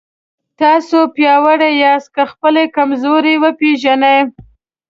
تاسو پیاوړي یاست که خپلې کمزورۍ وپېژنئ.